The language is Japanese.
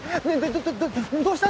どどどどうしたの！？